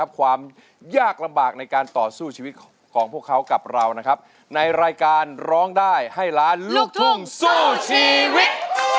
ความยากลำบากในการต่อสู้ชีวิตของพวกเขากับเรานะครับในรายการร้องได้ให้ล้านลูกทุ่งสู้ชีวิต